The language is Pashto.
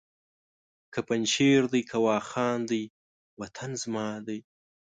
که پنجشېر دی که واخان دی وطن زما دی!